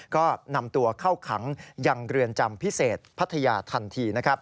ก็นำตัวเข้าขังยังเรือนจำพิเศษพัทยาทันที